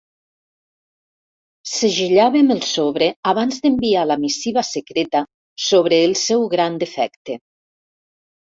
Segellàvem el sobre abans d'enviar la missiva secreta sobre el seu gran defecte.